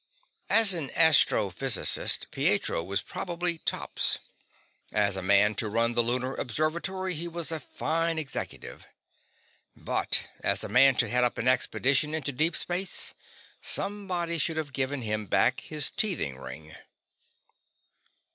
As an astrophysicist, Pietro was probably tops. As a man to run the Lunar Observatory, he was a fine executive. But as a man to head up an expedition into deep space, somebody should have given him back his teething ring.